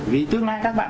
vì tương lai các bạn